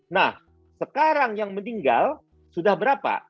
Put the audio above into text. nah sekarang yang meninggal sudah berapa